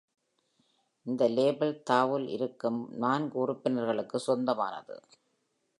இந்த லேபிள் தாவு-ல் இருக்கும் நாங்கு உறுப்பினர்களுக்கு சொந்தமானது.